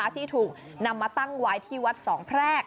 ที่ถูกนำมาตั้งไว้ที่วัดสองแพรก